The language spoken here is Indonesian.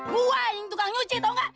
gue yang tukang cuci tau gak